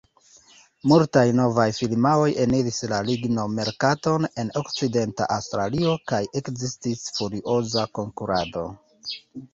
Multaj novaj firmaoj eniris la ligno-merkaton en Okcidenta Aŭstralio, kaj ekzistis furioza konkurado.